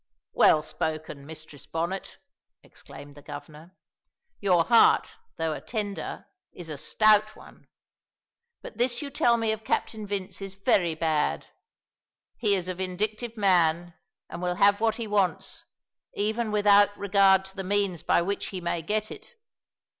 "Well spoken, Mistress Bonnet," exclaimed the Governor, "your heart, though a tender, is a stout one. But this you tell me of Captain Vince is very bad; he is a vindictive man and will have what he wants, even without regard to the means by which he may get it.